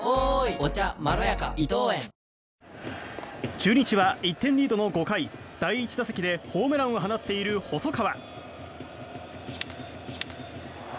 中日は１点リードの５回第１打席でホームランを放っている細川。